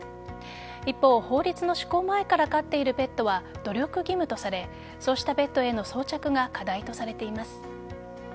一方、法律の施行前から飼っているペットは努力義務とされそうしたペットへの装着が課題とされています。